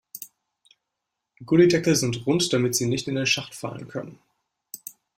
Gullydeckel sind rund, damit sie nicht in den Schacht fallen können.